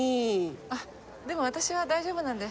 あっでも私は大丈夫なんで。